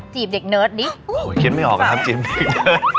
เด็กเนิร์ดดิคิดไม่ออกอะครับจีบิ๊กเนิร์ด